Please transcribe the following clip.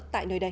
tại nơi đây